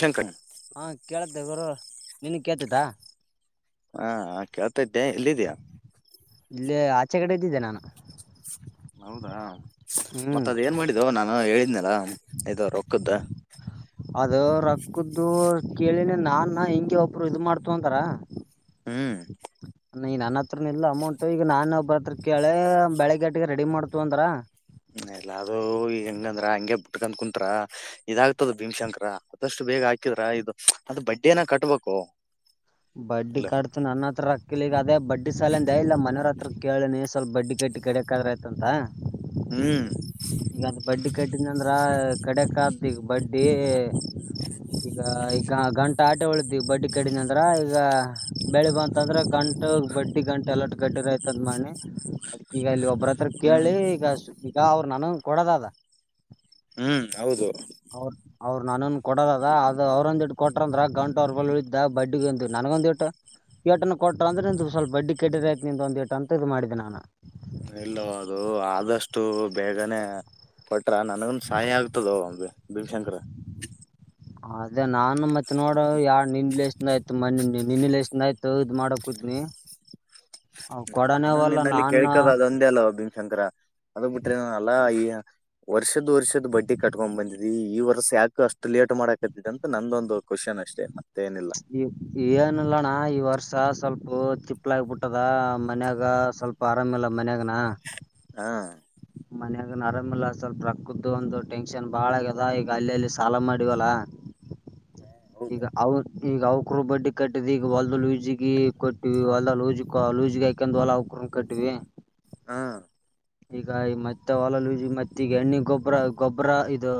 ಚೆಂಕ. ಹಾ ಕೇಳತ್ತೆ ಗುರು ನಿನಗೆ ಕೇಳ್ತತಾದ. ಆ ಕೆಳತತೆ ಎಲ್ಲಿದಿಯಾ. ಇಲ್ಲಿ ಆಚೆ ಕಡೆ ಇದ್ದಿನಿ ನಾನು. ಹೌದಾ ಮತ್ತ ಹ್ಮ್ ಅದ ಏನ್ ಮಾಡಿದೆ. ಇದು ನಾನು ಹೇಳಿದನಲ್ಲ ಇದು ರೊಕ್ಕದು ಅದ ರೊಕ್ಕ್ದು ಕೇಳಿನಿ ನಾನ್ ಹಿಂಗೇ ಒಬ್ರು ಇದು ಮಾಡ್ತ ಅಂತದ್ರ. ಹ್ಮ್ ನನ್ನ ಹತ್ರನು ಇಲ್ಲ ಅಮೌಂಟ್ ಈಗ ನಾನ್ ಒಬ್ಬ್ರ ಹತ್ರ ಕೇಳೆ ಬೆಳಗ್ಗೆಟಿಗೆ ರೆಡಿ ಮಾಡ್ತು ಅಂದ್ರ. ಎಲ್ಲ ಅದುೂ ಈ ಹೆಂಗಂದ್ರ ಹಂಗೆ ಬಿಟ್ಕಂದ್ ಕುಂತ್ರ. ಇದಾಗ್ತದ ಭೀಮಶಂಕರ ಆದಷ್ಟು ಬೇಗ ಹಾಕಿದ್ರ ಇದು ಅದು ಬಡ್ಡಿಯನ ಕಟ್ಬೇಕು. ಬಡ್ಡಿ ಇಲ್ಲ ಕಟ್. ನನ್ನ ಹತ್ರ ರಕ್ಕ ಇಲ್ಲಾ ಈಗ ಅದೇ ಬಡ್ಡಿ ಸಾಲಂದ ಇಲ್ಲ ಮನೆಯವ್ರ ಹತ್ರ ಕೇಳಿನೀ ಸ್ವಲ್ಪ ಬಡ್ಡಿ ಗಡ್ಡಿ ಕಡೆ. ಅಂತ. ಹ್ಮ್ ಈಗ ಬಡ್ಡಿ ಕಟ್ಟಿದಂದ್ರ ಕಡೆಕ್ ಆತ್ ಈಗ ಬಡ್ಡಿ. ಈಗ ಈಗ ಗಂಟ ಆಟೆ ಉಳಿದವಿ ಬಡ್ಡಿ ಕಡಿನಂತ. ಅದ್ರ ಈಗ ಬೆಳಿ ಬಂತಂದ್ರ ಗಂಟು ಬಡ್ಡಿ ಗಂಟೆ ಎಲ್ಲ ಗಡ್ರ ಆಯ್ತದ ಮಾಡೀನಿ ಈಗ ಇಲ್ಲಿ ಒಬ್ಬ್ರತ್ರ ಹ್ಮ್ ಕೇಳಿ ಈಗಷ್ಟು ಈಗ ಅವ್ರ ನಮಗೆ ಕೊಡದು ಅದ. ಹ್ಮ್ ಹೌದು. ಅವರು ಅವ್ರು ನಾನ್ ಕೊಡದದ ಅದು ಅವ್ರಂದ ದಿಡ್ಡು ಕೊಟ್ರಂದ್ರ ಗಂಟು ಉಳಿತ. ಬಡ್ಡಿಗೆ ನನಗೆ ಒಂದಿಷ್ಟು. ಏಟನ್ ಕೊಟ್ರ ಅಂದ್ರೆ ಒಂದು ಸ್ವಲ್ಪ ಅಡ್ಡಿ ಕೆಡಿ ಆಯತು ನಿ ಒಂದು ಏಟ ಅಂತ ಮಾಡಿದ್ದೆ ನಾನು. ಇಲ್ಲವ ಅದು ಆದಷ್ಟು ಬೇಗನೆೇ. ಕೊಟ್ರ ನನಗನ್ ಸಹಾಯ ಆಗ್ತದ ಭೀಮಶಂಕರ. ಅದೇ ನಾನು ಮತ್ ನೋಡ ಯಾ ನಿನ್ ಎಷ್ಟನಯ್ತು ಮ ನಿನ್ಲ್ ಎಷ್ಟ್ಣಾಯಯ್ತು ಇದ್ ಮಾಡ ಕೂದ್ನಿ. [unintelligible] ನಾನ ನಿನ್ನಲ್ಲಿ ನಾನು ಕೇಕೋದ ಅದೊಂದೇ ಅಲ್ವ ಭೀಮ ಶಂಕರ ಅದ ಬಿಟ್ರೆ ಅಲ್ಲಾ ಈ. ವರ್ಷದ ವರ್ಷದ್ ಬಡ್ಡಿ ಕಟ್ಕೊಂಡ್ ಬಂದದಿ ಈ ವರ್ಷ ಯಾಕು ಅಷ್ಟು ಲೇಟ್ ಮಾಡಕತ್ತ ಅಂತ ನಂದೊಂದು ಕ್ವಶನ್ ಅಷ್ಟೇ. ಮತ್ತೆೇನಿಲ್ಲ ಈ ಏನಿಲ್ಲಣ್ಣ ಈ ವರ್ಷ ಸ್ವಲ್ಪ ತಿಪ್ಪಳ ಆಗ್ಬಿಟ್ಟದ ಮನ್ಯಾಗ ಸ್ವಲ್ಪ. ಆರಾಮಿಲ್ಲ ಮನ್ಯಾಗನ. ಹಾ ಮನ್ಯಾಗನ್ ಆರಾಮಲ್ಲ ಸ್ವಲ್ಪ ರಕ್ಕದ್ದು ಒಂದು ಟೆನ್ಷನ್ ಬಾಳ ಆಗ್ಯದ ಈಗ ಅಲ್ಲಿಲ್ಲಿ ಸಾಲ ಮಾಡಿವಲ್ಲ. ಈಗ ಹೌದು ಅವರು. ಈಗ ಅವಕರು ಬಡ್ಡಿ ಕಟ್ಟಿದ ಈಗ ಹೊಲ್ದ ಲೂಜಗ ಕೊಟ್ಟಿವ ಹೊಲ್ದ ಲೂಜಿ ಲೂಜಗ ಹಯಕೊಂಡ್ ಹೊಲ. ಕಟ್ಟುವಿ. ಹಾ ಈಗ ಈ ಮತ್ತೆ ಹೊಲಲುಜಿ ಮತ್ತ ಈಗ ಎಣ್ಣಿ ಗೊಬ್ಬರ ಗೊಬ್ಬರ ಇದು.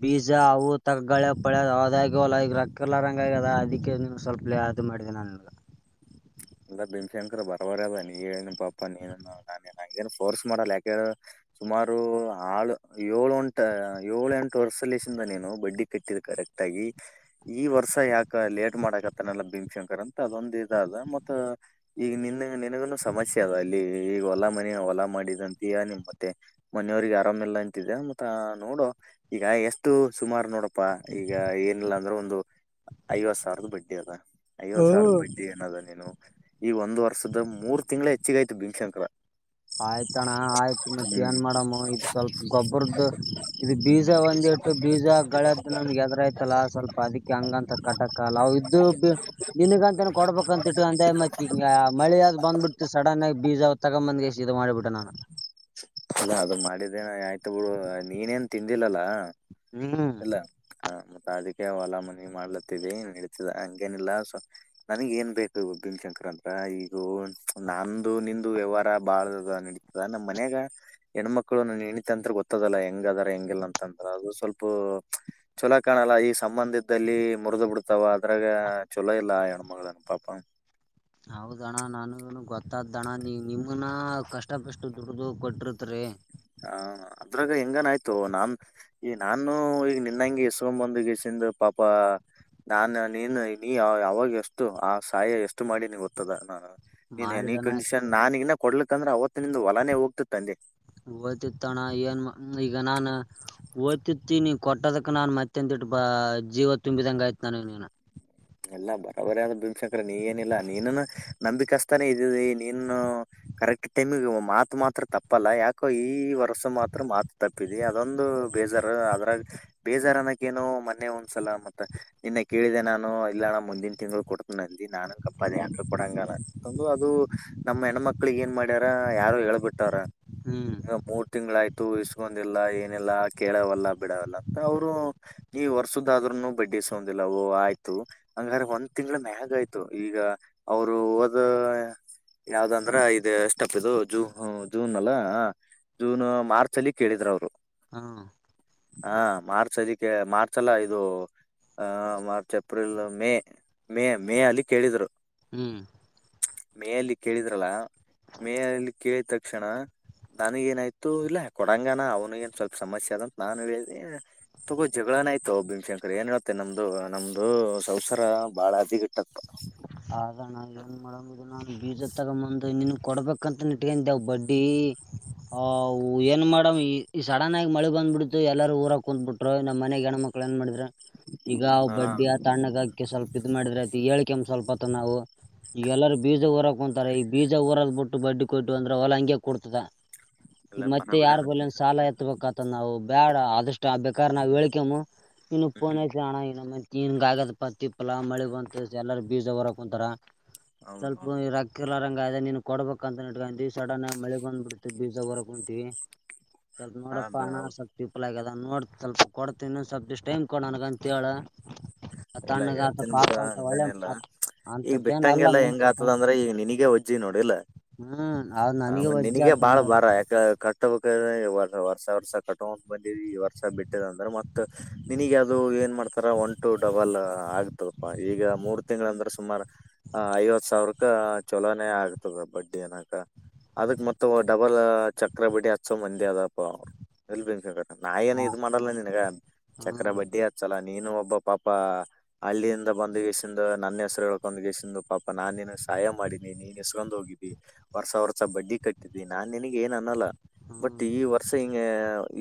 ಪೀಜಾ ಅವು ತಗಳೆ ಪಳೆ ಅದಗಲ್ಲ ಈಗ ಕಲರ್ಂಗ ಆದ ಅದಕ್ಕೆ ಸ್ವಲ್ಪ ಇದು ಮಾಡಿದೆ ನಾನಲ್ಲ. [unintelligible] ಫೋರ್ಸ್ ಮಾಡಲ್ಲ ಯಾಕೆ ಹೇಳು. ಸುಮಾರು ಆಳು ಏಳು ಎಂಟು ಏಳು ಎಂಟು ವರ್ಷಲ್ಲಿಸ ನೀನು ಬಡ್ಡಿ ಕಟ್ಟಿದ ಕರೆಕ್ಟ್. ಆಗಾಗಿ ಈ ವರ್ಷ ಯಾಕ ಲೇಟ್ ಮಾಡಕತ್ತನಲ್ಲ ಭೀಮಶಂಕರ್ ಅಂತ ಅದೊಂದ ಇದಾದ ಮತ್ತೆ. ಹ ಈಗ ನಿನ್ನ್ನ ನಿನಗುನು ಸಮಸ್ಯೆ ಅದ ಅಲ್ಲಿ ಈಗ ಹೊಲ ಮನ ಹೊಲ ಮಾಡಿದಂತೀಯ ನಿಮ್ ಮತ್ತೆ. ಮನೆಯವ್ರಿಗೆ ಆರಾಮಲ್ಲ ಅಂತಿದ್ದ ಮತ್ತ ನೋಡು. ಈಗ ಎಷ್ಟು ಸುಮಾರು ನೋಡಪ್ಪಾ ಈಗ ಏನಿಲ್ಲ ಅಂದ್ರು ಒಂದು ಐವತ್ ಸಾವರದ ಬಡ್ಡಿ ಅದ ಐವತ್ ಸಾವಿರದ ಹ್ಮ್ ಬಡ್ಡಿ ಏನದ ನೀನು ಈಗ ಒಂದು ವರ್ಷದ ಮೂರು ತಿಂಗಳ ಹೆಚ್ಚಿಗ್ ಆಯ್ತಿ ಭೀಮಶಂಕರ. ಆಯ್ತ್ ಅಣ್ಣಾ ಆಯ್ತ್ ಮತ್ತ್ ಏನ್ ಮಾಡಮ್ಮ ಇದು ಸ್ವಲ್ಪ ಗೊಬ್ಬರದ್ದ ಇದ್ ಬೀಜ ಒಂದ್ ಇಟ್ ಬೀಜಗಳದ್ದು ನಮ್ಗ ಎದ್ರಾಯ್ತಲ್ಲ ಸ್ವಲ್ಪ ಅದಿಕ್ಕೆ ಹಂಗಂತ ಕಟ್ಟಾಕ್ ಅಲಾವ್ ಇದ್ದು ಬಿ ದಿನಗಂತನ ಕೊಡ್ಬೇಕಂತಿಟ್ಟು ಅಂದೆ ಮತ್ತ್ [unintelligible] ಬಿಡ್ತು ಸಡನ್ ಆಗಿ ಬೀಜ ತಗೊಂಬಂದ ಎಷ್ಟ ಇದು ಮಾಡಿ ಬಿಟ್ಟೆ ನಾನು. ಅದ ಅದ ಮಾಡಿದ್ದೇನ ಆಯ್ತ್ ಬಿಡು ನೀನೇನ್ ತಿಂದಿಲ್ಲಲ್ಲಾ. ಹ್ಮು ಇಲ್ಲ ಹ ಮತ್ತ ಅದಕ್ಕೆ ಹೊಲ ಮನೆ ಮಾಡ್ಲತ್ತಿವಿ ನಡತಿದ ಹಂಗೇನಿಲ್ಲ ಸೊ ನನಗ ಏನ್ ಬೇಕು [unintelligible] ಶಂಕರ್ ಅಂತ ಈಗೂ ನಂದು ನಿಂದು ವ್ಯವಹಾರ ಬಾಳ್ ಅದ ನಡಿ ಈಗ ನಮ್ಮ್ ಮನ್ಯಾಗ ಹೆಣ್ಮಕ್ಳು [unintelligible] ಗೊತ್ತದಲ್ಲ ಹೆಂಗ ಅದಾರ ಹೆಂಗಿಲ್ಲ ಅಂತಂದ್ ಅದು ಸ್ವಲ್ಪ ಸ್ವಲ್ಪ್ ಚಲೋ ಕಾಣಲ್ಲ ಈ ಸಂಬಂಧ ಇದ್ದಲ್ಲಿ ಮುರುದು ಬಿಡ್ತಾವ ಅದ್ರಾಗ ಚಲೋ ಇಲ್ಲ [unintelligible] [unintelligible] ಹೌದ್ ಅಣ್ಣಾ ನನಗುನು ಗೊತ್ತಾದ ಅಣ್ಣಾ ನೀ ನಿಮನ ಕಷ್ಟಪಷ್ಟು ದುಡದು ಕೊಟ್ಟಿರ್ತೀರಿ. ಹ ಅದ್ರಾಗ ಹೆಂಗ್ ಅಣ್ಣಾ ಆಯ್ತು ನಾನ್ ಈಗ್ ನಾನು ಈಗ ನಿನ್ನಂಗೆ ಎಸ್ಕೊಂಡ್ ಬಂದ ಗಿಸ್ಸಿಂದ್ ಪಾಪ ನಾನ ನೀನ ನೀ ಅವಾಗ ಎಷ್ಟು ಆ ಸಹಾಯ ಎಷ್ಟು ಮಾಡಿ ನೀ ಗೊತ್ತದ [unintelligible] ನೀನ್ ಎನಿ ಮಾಡಿದಣ ಕಂಡೀಷನ್ ನಾನ್ ಇನ್ ಕೊಡ್ಲಿಕ್ಕಂದ್ರ ಅವತ್ತ್ ನಿಂದ್ ಹೊಲಾನೆ ಹೋಗ್ತಿತ್ ಅಂದೆ. ಓಯ್ತಿತ್ತಣ್ಣ ಏನ್ ಈಗ ನಾನ ಹೋಯ್ತಿತ್ತ್ [unintelligible] ಕೊಟ್ಟದಕ ನಾನ್ ಮತ್ತೆ [unintelligible] ಬ ಜೀವ ತುಂಬಿದಂಗ ಆಯ್ತ್ ನನಗ್ ನೀನ್. ಎಲ್ಲ ಬರಬರಿ [unintelligible] ಭೀಮಶಂಕರ ನೀ ಏನಿಲ್ಲಾ ನೀನನ ನಂಬಿಕಸ್ತಾನೇ ಇದಿದಿ ನೀನ್ನು. ಕರೆಕ್ಟ್ ಟೈಮಿಗೆ ಮಾತು ಮಾತ್ರ ತಪ್ಪಲ್ಲ ಯಾಕೋ ಈ ವರ್ಷ ಮಾತ್ರ ಮಾತು ತಪ್ಪ ಪ್ಪಿದೆ ಅದೊಂದು ಬೇಜಾರ ಅದ್ರಾಗ ಬೇಜಾರ ಅನಾಕ್ಕೇನು ಮೊನ್ನೆ ಒಂದ್ಸಲ ಮತ್ತ ನಿನ್ನೆ ಕೇಳಿದೆ ನಾನು ಇಲ್ಲ ಅಣ್ಣಾ ಮುಂದಿನ ತಿಂಗಳು ಕೊಡ್ತನ್ ಅಂದಿ ನಾನ ಗಪ್ಪ ಅದೇ [unintelligible] ನಮ್ಮ ಹೆಣ್ಮಕ್ಳಗ್ ಏನ್ ಮಾಡ್ಯಾರ ಯಾರೊ ಹೇಳ್ಬಿಟ್ಟಾರ ಹ್ಮ್. ಈಗ ಮೂ ತಿಂಗಳಾಯ್ತು ಇಸ್ಕೊಂದಿಲ್ಲ ಏನಿಲ್ಲ ಕೇಳವಲ್ಲ ಬಿಡವಲ್ಲ ಅಂತ ಅವರು ನೀ ವರ್ಷದ್ ಆದ್ರೂನು ಬಡ್ಡಿ ಇಸ್ಕೊಂಡಿಲ್ಲ ಓ ಆಯ್ತು. ಹಂಗಾರ ಒಂದ್ ತಿಂಗಳ ಮ್ಯಾಗ್ ಆಯ್ತು ಈಗ ಅವರು ಓದ್ ಅ ಯಾವ್ದಂದ್ರ ಇದು ಎಷ್ಟಪ್ ಇದು ಜೂ ಜೂನ್ ಅಲ್ಲಾ ಅ. ಜೂನ್, ಮಾರ್ಚ್ ಅಲ್ಲಿ ಕೇಳಿದ್ರ ಅವ್ರು. ಹಾ ಹಾ ಮಾರ್ಚ್ ಅದಕ್ಕೆ ಮಾರ್ಚ್ ಅಲ್ಲ ಇದು ಅ March, April May, May, May ಅಲ್ಲಿ ಕೇಳಿದ್ರು. ಹ್ಮ್ ಮೇ ಅಲ್ಲಿ ಕೇಳಿದ್ರಲ್ಲ ಮೇ ಅಲ್ಲಿ ಕೇಳಿದ ತಕ್ಷಣ ನನಗ ಏನಾಯ್ತು ಇಲ್ಲ ಕೊಡಂಗಣ ಅವ್ನಗ ಏನ್ ಸ್ವಲ್ಪ ಸಮಸ್ಯೆ ಅದಂತ ನಾನು ಹೇಳದೆ ತಗೋ ಜಗಳನ ಆಯ್ತು ಭೀಮಶಂಕರಿ ಏನ್ [unintelligible] ನಮ್ದು ನಮ್ದು ಅವಸರ ಬಾಳ್ [unintelligible] ಆದ್ ಅಣ್ಣಾ ಏನ್ [unintelligible] ನ ಬೀಜ ತಗೊಂಬಂದು ನಿನಗ್ ಕೊಡ್ಬೇಕಂತ ನಿಟ್ಕೊಂಡೆವು ಬಡ್ಡಿ ಅವ್ ಏನ್ ಮಾಡಮ್ ಈ ಈಗ್ ಸಡನ್ ಆಗಿ ಮಳೆ ಬಂದ್ ಬಿಡ್ತು ಎಲ್ಲರು ಊರಾಗ್ ಕುಂತ್ ಬಿಟ್ರು ನಮ್ಮ ಮನೆಗೆ ಹೆಣಮಕ್ಳ ಏನ್ ಮಾಡಿದ್ರ ಯಾ ಈಗ ಅವ ಹಾ ಬಡ್ಡಿಯ ತಣ್ಣಗಾಕಿ ಸ್ವಲ್ಪ ಇದ್ ಮಾಡಿದ್ರ ಅದ ಹೇಳ ಕಂತಿಂವಿ ಸ್ವಲ್ಪತ್ತು ನಾವು. [inaudible] ಈಗ ಎಲ್ಲಾರೂ ಬೀಜ ಊರಕ್ಕಂತಾರೆ ಈಗ ಬೀಜ ಊರಗ ಬಿಟ್ಟು ಬಡ್ಡಿ ಕೊಟ್ಟು ಅಂದ್ರ ಹೊಲ ಹಂಗೆ ಕೊಡ್ತದ. [inaudible] ಎಲ್ಲ ಮತ್ತೆ ಬರಬರಿ ಯಾರ್ ಅದ ಬಲಿಯನ್ ಸಾಲ ಎತ್ತಬೇಕತ ನಾವು ಬೇಡ ಆದಷ್ಟು [inaudible] ಷ್ಟು ಬೇಕಾರಾ ನಾವು ಹೇಳಿಕಮ್ಮ ನೀನು ಫೋನ್ ಹ್ಮ್ ಹಚ್ಚಲಾ ಅಣ್ಣ ಇನೊಮ್ಮೆ. [inaudible] ತಿನ್ ಆಗದ ಪಸ್ಟಿಗ ಪಲ ಮಳಿ ಬಂತ ಎಲ್ಲಾರ ಬೀಜ ಹೊರಕ್ ಕುಂತಾರ ಸ್ವಲ್ಪಾ ಹೌದೌದು ರೋಕ [inaudible] ರೊಕ್ಕ ಇಲ್ಲದರಂಗ ಆದೆ ನೀನಗ ಕೊಡ್ಬೇಕ ಅಂತ ಇಟ್ಕಂತೀ ಸಡನ್ ಆಗ ಮಳಿ ಬಂತ್ ಬಿಡ್ತ ಬೀಜ ಹೊರ ಕುಂತೀವಿ. [inaudible] [inaudible] ನಂದ ನೋಡಪ್ಪ ಹಣ ಹೌದು ಸ್ವಲ್ಪ. [inaudible] ಪಿಂಪಲ್ ಆಗ್ಯದ ನೋಡ್ ಸ್ವಲ್ಪ ಕೊಡ್ತ ಇನ್ ಸ್ವಲ್ಪ ಟೈಮ್ ಕೊಡ ನನಗ ಅಂತ ಹೇಳ. [inaudible] ಇಲ್ಲ ತಣ್ಣಗ ಆತ ಹೇಳ್ತೀನಿ ಬಿಡ ಪಾಪ ಅಂತ ಹಂಗ ಏನ್ ಒಳ್ಳೆ ಇಲ್ಲ ಈಗ ಅಂತತೇನ್ ಅಲ್ಲ ಬಿಟ್ಟಂಗೆಲ್ಲ ಹೆಂಗ ಮನ್ಸತ ಆತದ ಅಂದ್ರೆ. [inaudible] ಈಗ ನಿನಗ ಒಜ್ಜಿ ನೋಡಿ ಇಲ್ಲ ಹ್ಮ್ ಅದ್ ನನಗೆ ಆಮೇಲೆ ವಜ್ಜೆ ನಿನಗ ಆತು ಬಾಳ್ ಬಿಡ ಬಾರ ಯಾಕ ಕ [inaudible] ಕಟ್ಟಬೇಕದ ಯಾವ ವರ್ಷ ವರ್ಷ ಕಟ್ಟಕಂತ ಬಂದಿರಿ ವರ್ಷ ಬಿಟ್ಟಿದೆ ಅಂದ್ರೆ ಮತ್ತ [inaudible] ನಿನಗ್ ಅದು ಏನ್ ಮಾಡ್ತಾರ ಒನ್ ಟು [inaudible] ಡಬಲ್ ಆಗ್ತದಪಾ ಈಗ ಮೂರ್ ತಿಂಗಳ ಅಂದ್ರೆ ಸುಮಾರ? [inaudible] ಹ ಐವತ್ತ ಸಾವಿರಕ್ಕ ಚಲೋನೇ ಆಗ್ತದ ಬಡ್ಡಿ ಅನಕ [inaudible] ಅದಕ್ ಮತ್ತ ಅವ ಡಬಲ್ ಚಕ್ರಬಟ್ಟಿ ಹಚ್ಚೋ ಮಂದಿ ಅದಪ್ಪ ಅವ ಎಲ್ಲ ಬಣಜಗ [inaudible] ನಾ ಏನು ಇದ ಮಾಡಲ್ಲ ನಿನಗ ಚಕ್ರ ಹ್ಮ್ ಬಡ್ಡಿ ಹಚ್ಚಲ ನೀನು ಒಬ್ಬ ಪಾಪ [inaudible] ಅಲ್ಲಿಂದ ಬಂದಗೆಸಂದು ನನ್ನ ಹೆಸರ ಹೆಳ್ಕೊಂಡ ಗಸಂದು ಪಾಪ ನಾ ನಿನಗ ಸಹಾಯ ಮಾಡಿನೀ ನೀ [inaudible] ನೀ ಇಸ್ಕೊಂಡ್ ಹೋಗಿದಿ ವರ್ಷ ವರ್ಷ ಬಡ್ಡಿ ಕಟ್ಟಿದಿ ನಾನ್ ನಿನಗ್ ಏನ್ ಅನ್ನಲ್ಲ ಬಟ್ ಹ್ಮ್ ಈ ವ [inaudible] ರ್ಷ ಹಿಂಗ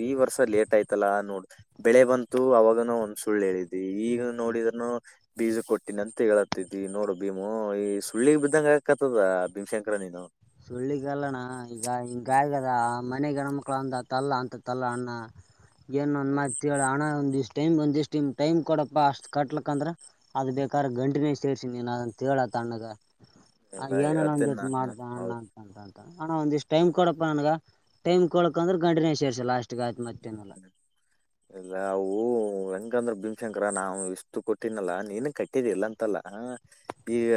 ಈ ವರ್ಷ ಲೇಟ್ ಆಯ್ತಲ್ಲಾ ನೋಡ ಬೆಳೆ ಬಂತು ಅವಾಗನು ಒಂದ್ ಸುಳ್ಳ ಹೇಳಿದಿ. [inaudible] ಈಗ ಹ್ಮ್ ನೋಡಿದರನು. [inaudible] ಬೀಜಕ್ಕ ಕೊಟ್ಟಿನ ಅಂತ ಹೇಳತ್ತಿದಿ ನೋಡು ಭೀಮು ಈ ಸುಳ್ಳಿಗ್ ಬಿದ್ದಂಗ ಆಕತದ ಭೀಮಶಂಕರ ನೀನು. [inaudible] ಸುಳ್ಳಿಗಲ್ಲ ಅಣ್ಣ ಈಗ ಹಿಂಗ ಆಗದ ಮನೆ ಗಣ ಮಕ್ಕಳು ಅಂದ ತಲ್ಲ ಅಂತ ತಲ್ಲ ಅಣ್ಣ. [inaudible] ಏನ್ ಹೌದು, ಅನತ್ತೀ ಹೇಳ್ ಅಣ್ಣಾ ಒಂದ ಇಷ್ಟ್ ಟೈಮ್ ಒಂದಿಷ್ಟ ಟೈಮ್ ಕೊಡಪ್ಪಾ ಅಷ್ಟ್ ಕಟ್ಲಕ್ ಅಂದ್ರ. [inaudible] ಅದ ಬೇಕಾದರ ಗಂಟಿನೇಷ್ಟ ಸೇರಸನಿ ನೀನ ಅದಂತ ಹೇಳೇಳ ತಣ್ಣಗ ಎಲ್ಲಾ ಏನನ ಒಂದ ಹೇಳ್ತೇನ್ ಇಟ್ಟ ಮಾಡ. ನಾನು [inaudible] ಅಣ್ಣಾ ಅಂತ್ತದಾ [inaudible] ಅಣ್ಣಾ ಒಂದಿಷ್ಟ್ ಟೈಮ್ ಕೊಡಪ್ಪಾ ನನಗ ಟೈಮ್ ಕೊಡಕ ಅಂದ್ರೆ ಗಂಟನ್ಯಾಗ ಸೇರ್ಸ ಲಾಸ್ಟ್ ಗ ಆತ ಮತ್ತ ಏನ್ ಇಲ್ಲ. [inaudible] ಹೌದು. ಇಲ್ಲ ಅವು ಹೆಂಗಂದ್ರ ಭೀಮಶಂಕರ ನಾವು ಇಷ್ಟು ಕೊಟ್ಟಿನಲ್ಲಾ ನೀನು ಕಟ್ಟಿದಿ ಇಲ್ಲ ಅಂತಲ್ಲ. [inaudible] ಈಗ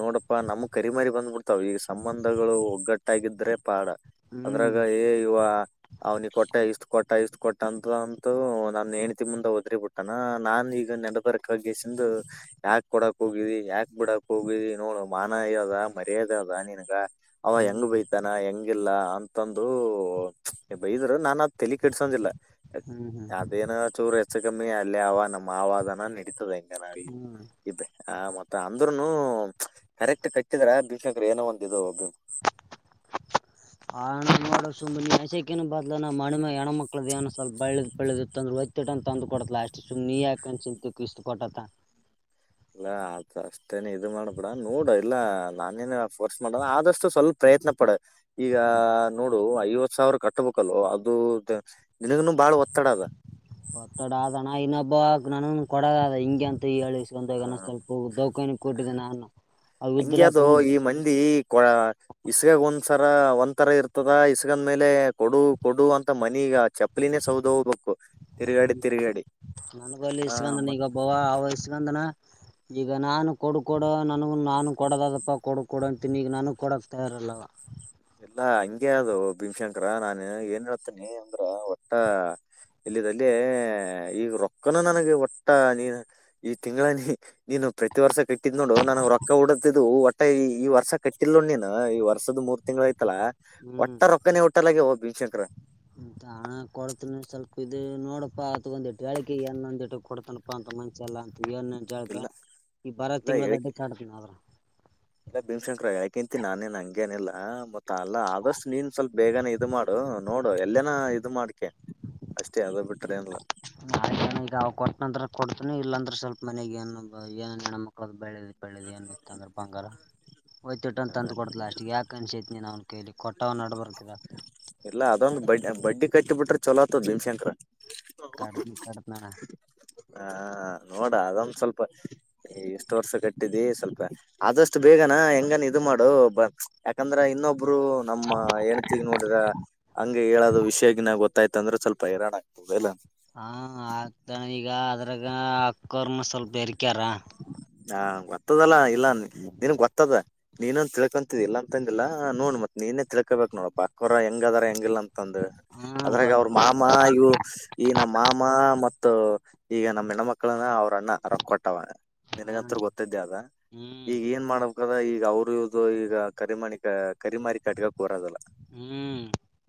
ನೋಡಪ್ಪಾ ನಮ ಕರಿಮಾರಿ ಬಂದ್ಬಿಡ್ತಾವ ಈಗ ಸಂಬಂಧಗಳು ಒಗ್ಗಟ್ಟಾಗಿದ್ರೆ ಪಾಡ. [inaudible] ಹ್ಞೂ ಅದ್ರಾಗ ಏ ಇವ ಅವ್ನಿಗೆ ಕೊಟ್ಟ ಇಷ್ಟ್ ಕೊಟ್ಟ ಇಷ್ಟ್ ಕೊಟ್ಟ ಅಂತದ [inaudible] ತು ನನ್ನ ಹೆಂಡತಿ ಮುಂದ ವದರಿ ಬಿಟ್ಟನ ನಾನ್ ಈಗ ನೆನಬರಕಾಗ ಸಿಂದ [inaudible] ಯಾಕ ಕೊಡಕ್ ಹೋಗಿದಿ ಯಾಕ್ ಬಿಡಕ್ ಹೋಗಿದಿ ನೋಡ ಮಾನಯದ ಮರ್ಯಾದೆ ಅದ ನಿನಗ [inaudible] ಅವ ಹ್ಞೂ ಹೆಂಗ ಬಯದ [inaudible] ತನ ಹೆಂಗಿಲ್ಲ ಅಂತಂದರು ಬೈದರು ನಾನ್ ಅದ ತೇಲಿ ಕೇಡ್ಸೋಂದಿಲ್ಲ. [inaudible] ಹ್ಞೂ ಹ್ಞೂ ಅದೇನ ಚೂರ ಹೆಚ್ಚು ಕಮ್ಮಿ ಅಲ್ಲಿ ಅವ ನಮ್ಮ ಅದಾನ ನಡೀತದೆ ಹೆಂ [inaudible] ಹೂ [inaudible] ಇಬರೆ ಇದ್ದ ಆ ಮತ್ತ ಅಂದ್ರುನು ಕರೆಕ್ಟ್ ಕಟ್ಟಿದ್ರ ಭೀಮಶಂಕರ್ ಏನೋ ಒಂದ ಇದು ಭಿಮ [inaudible] [inaudible] ಆ ಅಣ್ಣ ನೋಡ ಸುಮ್ಮನೆ ನಸಕಿನ ಬದಲ್ಲ ನಮ್ಮ ಮಣ್ಣ ಮೇಲ್ ಹೆಣ್ಣ ಮಕ್ಕಳದ ಏನ್ ಸ್ವಲ್ ಬಳ್ಳಿ ಬೆಳೆದಿತ್ತ ಅಂದ್ರ ವಜ್ಜಿ [inaudible] ತ್ತಿಟ್ಟನ ತಂದ ಕೊಡತಲಾ ಲಾಸ್ಟಗೆ ಸುಮ್ಮ ನೀ ಯಾಕ ಅನ್ಸಿಂತು ಇಷ್ಟ ಕೊಟ್ಟಾತ್ತ. [inaudible] ನಾ ಹಾಲ ತರಸ [inaudible] ತೇ ನೀ ಇದು ಮಾಡಬೇಡ ನೋಡ ಇಲ್ಲ ನಾನೇನ ಫೋರ್ಸ್ ಮಾಡಲ್ಲ ಆದಷ್ಟು ಸ್ವಲ್ಪ ಪ್ರಯತ್ನ ಪಡ. [inaudible] ಈಗ ನೋಡು ಐವತ್ತ ಸಾವಿರ ಕೆಟ್ಟ ಬೇಕ ಅಲ್ಲೂ ಅದು ತ ನಿನಗನು ಬಾಳ ಒತ್ತಡ ಅದ. [inaudible] ಒತ್ತಡ ಆದ ಅಣ್ಣ ಇನ್ನೊಬ್ಬ ನನುವ ಕೊಡೋ ಅದ ಹಿಂಗೆ ಅಂತ ಹೇಳಿ. [inaudible] ಬಂದಾಗ ನೆನ್ಸ್ತೀನಿ ಕೊಗ ದವಾಖಾನಿಗ ಕೊಟ್ಟಿದ್ದೆ ನಾನ ಅವ ಇದರ ಹಂಗೆ ಅದು ಅಕೌಂ [inaudible] ಈ ಮಂದಿ ಕೊ. [unintelligible] ಇಸ್ಗಾಗ ಒಂದ್ಸರ ಒಂದ್ ತರ ಇರ್ತದ ಇಸ್ಗಂದ ಮೇಲೆ ಕೊಡು ಕೊಡು ಅಂತ ಮನಿಗ ಚಪ್ಪ. ಚಪ್ಪಲಿನೇ ಸೌದು ಹೋಗ್ಬೇಕು ತಿರುಗಾಡಿ ತಿರುಗಾಡಿ ಹ ಮತ್ತ. ಬ ಆ ವಯಸ್ಕಂದನ. ಈಗ ನಾನು ಕೊಡು ಕೊಡ ನನಗ ನಾನು ಕೊಡದ ಅದಪ್ಪ ಕೊಡು ಕೊಡ ಅಂತನಿ ಈಗ ನನ ಕೊಡಕ್ ತಯಾರಿಲ್ಲವ. ಇಲ್ಲಾ ಹಂಗೆ ಅದು ಭೀಮಶಂಕರ ನಾನ ಏನ್ ಹೇಳ್ತೇನಿ ಅಂದ್ರ ಒಟ್ಟ. ಇಲ್ಲಿದಲ್ಲಿ ಈಗ ರೊಕ್ಕನು ನನಗೆ ಒಟ್ಟ ನೀ ಈ ತಿಂಗಳನಿ. ನೀನು ಪ್ರತಿ ವರ್ಷ ಕಟ್ಟಿದ್ ನೋಡು ನನಗೆ ರೊಕ್ಕ ಹುಡ್ಕತಿದಿವು. ಈ ಈ ವರ್ಷ ಕಟ್ಟಿಲೋ ನೀನು ಈ ವರ್ಷದ ಮೂರ್ ತಿಂಗಳುಯ್ತಲ್ಲ ಹ್ಮ್ ಒಟ್ಟರ ರೊಕ್ಕನೆ ಒಟ್ಟ. ಮತ್ತಲ ಹೋಗ್ ಭೀಮ್ ಶಂಕರ. ಹಣ ಕೊಡತನಿ ಸ್ವಲ್ಪ ಇದು ನೋಡಪ್ಪಾ ಅತ್ ಒಂದ್ವಾಲಿಕಿಗೆ ಏನ್ ಒಂದಟ್ಟ ಕೊಡ್ತನಪ್ಪಾ ಅಂತ ಮ. ಅಲ್ಲ ಅಂತ ಏನ್ಂಳ್ಕ ಇಲ್ಲ ಈ ಬರ ಇಲ್ಲ ತಿಂಗಗಳದ ಅಡ್ಡೆ ಹೇಳಿಕೆ ಕಾತನ್ರ. ಇಲ್ಲ ಭೀಮಶಂಕರ ಯಾಕಂತಿ ನಾನೇನ್ ಹಂಗೇನಿಲ್ಲ ಮತ್ತ ಅಲ್ಲ ಆದಷ್ಟು ನೀನ್ ಸ್ವಲ್ಪ ಬೇಗನೆ ಇದು ಮಾಡ್. ನಡು ನೋಡು ಎಲ್ಲೇನ ಇದು ಮಾಡ್ಕೆ ಅಷ್ಟೇ ಅದು ಬಿಟ್ರೆ ಏನಿಲ್ಲ. ನ. [inaudible] ಈಗ ಕೊಟ್ಟನಂದ್ರ ಕೊಡ್ತನಿ ಇಲ್ಲಾಂದ್ರೆ ಸ್ವಲ್ಪ ಮನೆಗ್ ಏನು ಏ ಹೆಣ್ಣ್ಮಕ್ಳು ಬೆಳೆದ ಬೆಳೆದ ಏನೈತಿ. ಸಂದರ್ಭಂಗರ. ಒಯ್ತು ಇಟ್ಟಂತ ತಂತ್ ಕೊಡ್ತಲ ಅಷ್ಟಿಗೆ ಯಾಕ ಅನಸೈತಿನಿ ಅವ್ನ್ ಕೇಳಿ ಕೊಟ್ಟ್ ನಡ್ಬರ್ಕ ಅ. ಇಲ್ಲ ಅದೊಂದು ಬಡ್ಡಿ ಬಡ್ಡಿ ಕಟ್ಟಿ ಬಿಟ್ರೆ ಚಲ ಆತ್ತತದ ಭೀಮಶಂಕ್ರ. ಕಡ್ತಿ ಕಡ್ತಿನಣ್ಣ. ಹಾ. ನೋಡ ಅದೊಂದ ಸ್ವಲ್ಪ ಎಷ್ಟು ವರ್ಷ ಕಟ್ಟಿದಿ ಸ್ವಲ್ಪ. ಆದಷ್ಟು ಬೇಗನಾ ಹೆಂಗನ್ ಇದು ಮಾಡು ಯಾಕಂದ್ರ ಇನ್ನೊಬ್ರು. ನಮ್ಮ ಹೆಂಡ್ತಿಗೆ ನೋಡಿದ್ರ. ಹಂಗೆ ಹೇಳದು ವಿಶ್ಯಕಿನ ಗೊತ್ತಾಯ್ತ್ ಅಂದ್ರು ಸ್ವಲ್ಪ ಹಿರಣ. [unintelligible] ಹಾ ಆಕ್ತನ ಈಗ ಅದ್ರಾಗ ಅಕ್ಕೋರ್ನು ಸ್ವಲ್ಪ್ ಬೆರ್ಕ್ಯಾರ. ಹಾ ಗೊತ್ತದಲ್ಲ ಇಲ್ಲ ನಿನ್ಗ್ ಗೊತ್ತದ. ನೀನೊಂದ್ ತಿಳ್ಕೊಂತಿದಿ ಇಲಂತಂದಿಲ್ಲ ನೋಡ್ ಮತ್ ನೀನೆ ತಿಳ್ಕೋಬೇಕ್ ನೋಡಪ ಅಕೋರ ಹೆಂಗದರ ಹೆಂಗಿಲ್. ಅಂತಂದು ಹಾ ಅದ್ರಗ ಗೊತ್ತ ಅವ್ರ ಮಾಮ ಇವ್ ಈ ನಮ್ ಮಾಮ ಮತ್ತು ಈಗ ನಮ್ ಹೆಣಮಕ್ಳನ ಅವ್ರ ಅಣ್ಣ ರೊಕೊಟ್ಟವ. ಹ ನಿನಗಂತ್ರು ಗೊತ್ತಿದ್ದೆ ಅದ. ಹ್ಮ್ ಈಗ್ ಏನ್ ಮಾಡ್ಬೇಕದ ಈಗ ಅವ್ರು ಇವ್ರ್ದು ಈಗ ಕರಿಮಣಿ ಕ ಕರಿಮಾರಿ ಕಟ್ಗಕ್ ಬರದಲ. ಹ್ಮ್.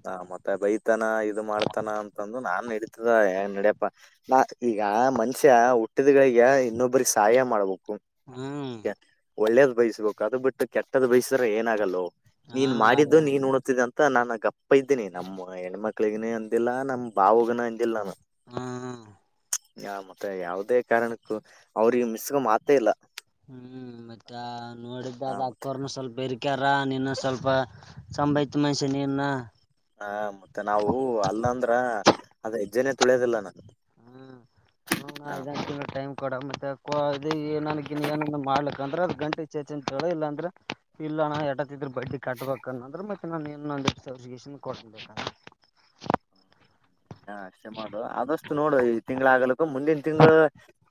ಹ ಮತ್ತೆ ಬೈತಾನ ಇದು ಮಾಡ್ತಾನ ಅಂತಂದು ನಾನು [unintelligible] ಹೇ ನಡಿಯಪ್. ನಾ ಈಗ ಮನುಷ್ಯ ಹುಟ್ಟಿದ್ಗಳಿಗ ಇನ್ನೊಬ್ರಿಗ್ ಸಹಾಯ ಮಾಡ್ಬಕು. ಹ್ಮ್. ಒಳ್ಳೇದ್ ಬಯಸ್ಬಕು ಅದು ಬಿಟ್ಟು ಕೆಟ್ಟದ್ ಬಯಸಿದ್ರ ಏನಾಗಲ್ಲೋ ಹಾ ನೀನ್ ಆಗ ಮಾಡಿದ್ದು ನೀನ್ ಊಣುತಿದೆ ಅಂತ್. ಅಂತ ನಾನ ಗಪೈದಿನಿ ನಮ್ಮ ಹೆಣ್ಮಕ್ಳಿಗನ ಅಂದಿಲ್ಲ ನಮ್ ಬಾವಗನು ಅಂದಿಲ್ ನನು. ಹ್ಮ ಹ್ಮ್. ಯ ಮತ್ತೆ ಯಾವದೇ ಕಾರ್ಣಕ್ಕೂ ಅವ್ರಿಗ್ ಮಿಸ್ಗ ಮಾತೆ ಇಲ್ಲ. ಹ್ಮ್ ಮತ್ತ ಆ ನೋಡಿದ್ದಾದ ಮತ್ತೆ ಅಕ್ಕೋರ್ನು ಸ್ವಲ್ಪ ಬೆರಿ ಕೆರ ನೀನು ಸ್ವಲ್ಪ ಸಂಭೈತ ಮನ್ಷಿ ನಿನ್ನ. ಹ ಮತ್ತೆ ನಾವು ಅಲ್ಲಂದ್ರ ಅದ್ ಹೆಜ್ಜೆನೆ ತುಳಿಯೋದಿಲ್ಲ ನನು. ಹ್ಮ ನೋಡಣ ಇದೊಂದ್ ತಿಂಗ್ಳು ಟೈಂವು. ಕೊಡ ಮತ್ತೆ ಕೋ ಅದ್ ನನಗಿನ್ ಏನನ್ ಮಾಡ್ಲಿಕಂದ್ರ ಅದ್ ಗಂಟಿ ಚೇಚುನ್ ಕೇಳು ಇಲ್ಲಾಂದ್ರ. ಇಲ್ಲ ನಾ ಎಟೊತ್ತಿದ್ರರು ಬಡ್ಡಿ ಕಟ್ಬೇಕ್ ಅಂದ್ರೂ ಮತ್ತೆ ನಾನ್ ಇನ್ನೊಂದ ಸನ್ ಕೊಡ್ಬೇಕ ಅ ಅಷ್ಟ ಮಾಡು ಅಷ್ಟು ನೋಡು ಈ ತಿಂಗಳ ಆಗಲಕ್ಕ ಮುಂದಿನ ತಿಂಗಳು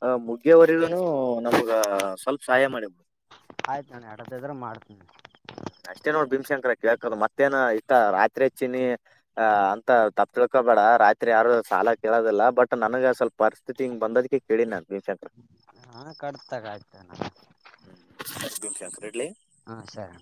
ಆ ಮುಗ್ಗಿಯವರಿಗನು ನಮಗ ಸ್ವಲ್ಪ ಸಹಾಯ ಮಾಡಿಬಹುದು ಆಯ್ತು ಅಣ್ಣಾ ಆಡತಿದ ಇದ್ರು ಮಾಡ್ತೇನಿ ಹ್ಮ್ ಅಷ್ಟೇ ನೋಡ್ ಭೀಮಶಂಕರ ಕೇಳ್ಕದು ಮತ್ತೇನ ಇಷ್ಟ ರಾತ್ರಿ ಹಚ್ಚಿನಿ ಅ ಅಂತ ತಪ್ಪ ತಿಳ್ಕೊಬೇಡ ರಾತ್ರಿ ಯಾರು ಸಾಲ ಕೇಳೋದಿಲ್ಲ ಬಟ್ ನನಗ ಸ್ವಲ್ಪ ಪರಿಸ್ಥಿತಿ ಹಿಂಗ್ ಬಂದಕ ಹೇಳಿ ನಾ [unintelligible] [unintelligible] [unintelligible] ಇಡ್ಲಿ ಹಾ ಸರಿ